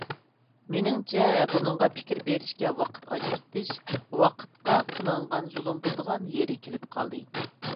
مېنىڭچە، بۇنىڭغا پىكىر بېرىشكە ۋاقىت ئاجرىتىش ۋاقىتقا قىلىنغان زۇلۇم بولىدىغان يېرىگە كېلىپ قالدى.